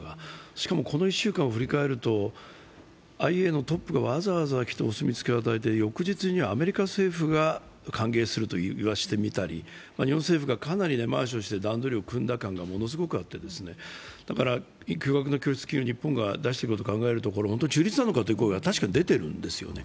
しかもこの１週間を振り返るとＩＡＥＡのトップがわざわざ来てお墨付きをくれて翌日にはアメリカ政府が歓迎すると言わせてみたり、日本政府がかなり根回しをして段取りを組んだ感があって、巨額の拠出金を日本が出していることを考えると本当に中立なのかということがあるんですよね。